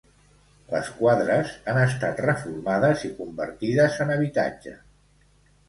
Les quadres han estat reformades i convertides en habitatge.